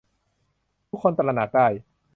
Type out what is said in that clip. ทุกคนตระหนักได้